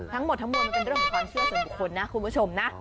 ทั้งหมดทั้งมวลมันเป็นเรื่องของความเชื่อส่วนบุคคลนะคุณผู้ชมนะ